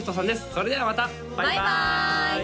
それではまたバイバーイ！